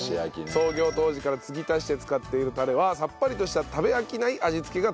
創業当時から継ぎ足して使っているタレはさっぱりとした食べ飽きない味付けが特徴。